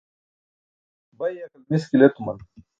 bay yakal miskil etuman